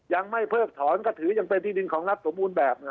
ยังไม่เพิกถอนก็ถือยังเป็นที่ดินของรัฐสมบูรณ์แบบ